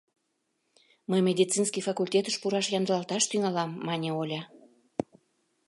— Мый медицинский факультетыш пураш ямдылалташ тӱҥалам, — мане Оля.